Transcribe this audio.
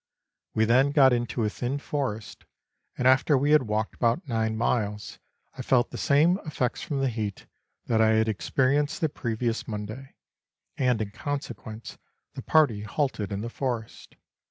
We then got into a thin forest, and after we had walked about nine miles, I felt the same effects from the heat that I had experienced the previous Monday, and, in consequence, the party halted in the forest.